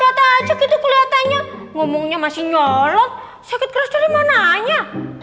masa tajuk itu keliatannya ngomongnya masih nyolot sakit keras dari mana aja